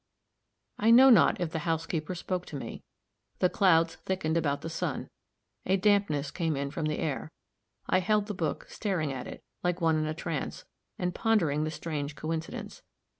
I know not if the housekeeper spoke to me. The clouds thickened about the sun; a dampness came in from the air. I held the book, staring at it, like one in a trance, and pondering the strange coincidence.